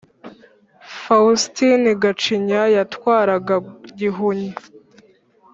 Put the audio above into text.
Faustini Gacinya yatwaraga Gihunya.